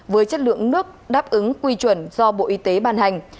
với chất lượng nước đáp ứng quy chuẩn do bộ y tế ban hành